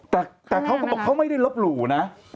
แต่เขาก็บอกเขาไม่ได้ลบหลู่นะ